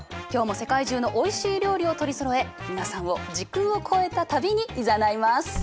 今日も世界中のおいしい料理を取りそろえ皆さんを時空を超えた旅にいざないます！